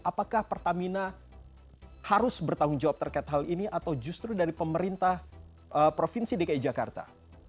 apakah pertamina harus bertanggung jawab terkait hal ini atau justru dari pemerintah provinsi dki jakarta